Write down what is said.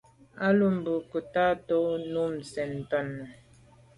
A lo mbe nkôg tàa ko’ num sen ten nà.